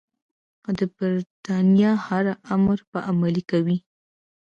او د برټانیې هر امر به عملي کوي.